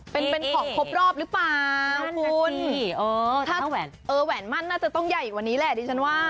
เป็นเป็นของครบรอบหรือเปล่าคุณเออถ้าแหวนมั่นน่าจะต้องใหญ่กว่านี้แหละดิฉันว่า